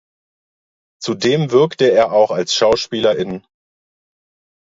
Zudem wirkte er auch als Schauspieler in